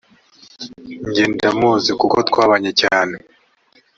jye ndamuzi kuko twabanye cyane